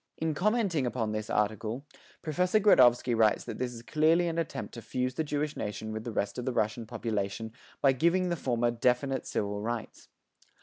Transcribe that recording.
In commenting upon this article, Professor Gradovsky writes that this is clearly an attempt to fuse the Jewish nation with the rest of the Russian population by giving the former definite civil rights.